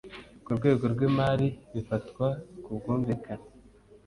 k urwego rw imari bifatwa ku bwumvikane